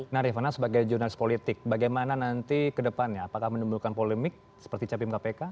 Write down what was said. nah rifana sebagai jurnalis politik bagaimana nanti kedepannya apakah menimbulkan polemik seperti capim kpk